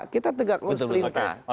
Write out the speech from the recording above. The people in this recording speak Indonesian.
kita tegak terus perintah